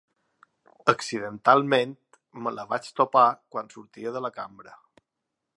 Accidentalment, me la vaig topar quan sortia de la cambra